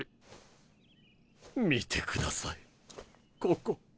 見てくださいここ。